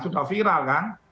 sudah viral kan